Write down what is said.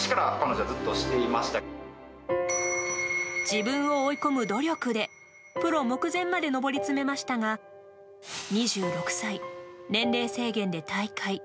自分を追い込む努力でプロ目前まで上り詰めましたが２６歳、年齢制限で退会。